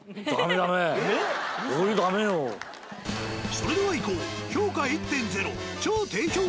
それではいこう。